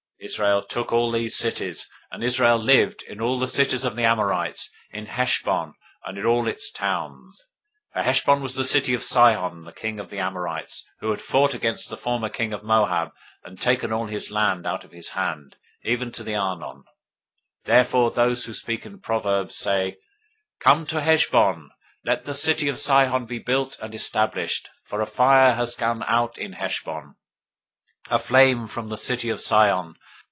021:025 Israel took all these cities: and Israel lived in all the cities of the Amorites, in Heshbon, and in all the towns of it. 021:026 For Heshbon was the city of Sihon the king of the Amorites, who had fought against the former king of Moab, and taken all his land out of his hand, even to the Arnon. 021:027 Therefore those who speak in proverbs say, "Come to Heshbon. Let the city of Sihon be built and established; 021:028 for a fire has gone out of Heshbon, a flame from the city of Sihon.